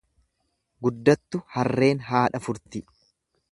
Guddattu harreen haadha furti.